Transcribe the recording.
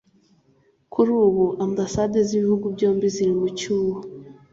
Kuri ubu Ambasade z’ibihugu byombi ziri mu cyuho